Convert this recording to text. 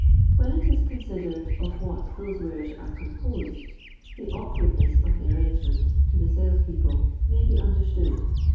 When it is considered of what those wares are composed, the awkwardness of the arrangement, to the sales people, may be unde^ stood.